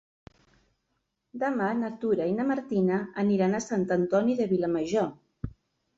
Demà na Tura i na Martina aniran a Sant Antoni de Vilamajor.